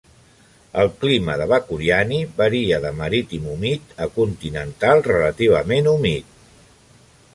El clima de Bakuriani varia de marítim humit a continental relativament humit.